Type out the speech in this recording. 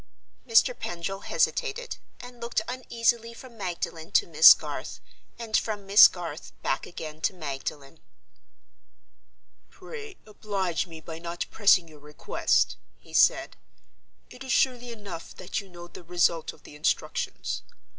Mr. Pendril hesitated, and looked uneasily from Magdalen to Miss Garth, and from Miss Garth back again to Magdalen. "Pray oblige me by not pressing your request," he said. "It is surely enough that you know the result of the instructions.